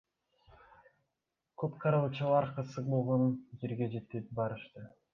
Куткаруучулар кырсык болгон жерге жетип барышты.